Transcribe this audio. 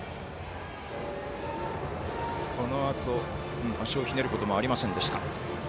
このあと足をひねることもありませんでした。